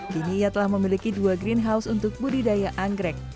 kini ia telah memiliki dua greenhouse untuk budidaya anggrek